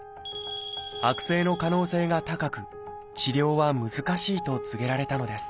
悪性の可能性が高く治療は難しいと告げられたのです。